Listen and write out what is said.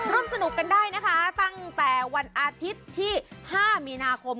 ร่วมสนุกกันได้นะคะตั้งแต่วันอาทิตย์ที่๕มีนาคม